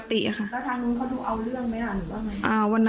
แล้วทางนู้นเขาดูเอาเรื่องไหมล่ะหรือว่าไง